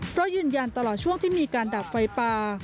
เพราะยืนยันตลอดช่วงที่มีการดับไฟป่า